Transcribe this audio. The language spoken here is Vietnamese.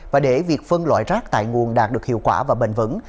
và để việc phân loại rác tại nguồn đạt được hiệu quả và bền vững